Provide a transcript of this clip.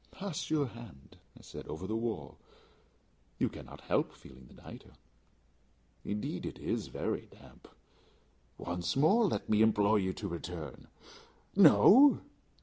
"Pass your hand," I said, "over the wall; you cannot help feeling the nitre. Indeed, it is very damp. Once more let me implore you to return. No?